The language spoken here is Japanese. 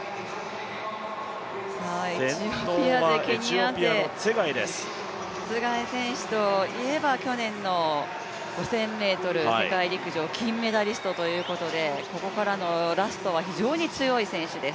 エチオピア勢、ケニア勢ツェガイ選手といえば、去年世界陸上金メダリストということでここからのラストには非常に強い選手です。